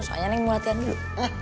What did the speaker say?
soalnya ini mau latihan dulu